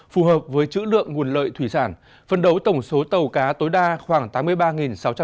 phù hợp với chữ lượng nguồn lợi thủy sản phân đấu tổng số tàu cá tối đa khoảng tám mươi ba sáu trăm linh